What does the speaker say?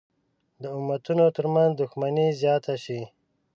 د امتونو تر منځ دښمني زیاته شي.